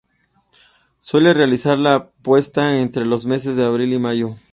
Suele realizar la puesta entre los meses de abril y mayo.